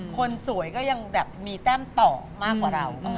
คนสวยก็ยังแบบมีแต้มต่อมากกว่าเรา